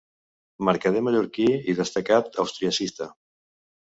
Mercader mallorquí i destacat austriacista.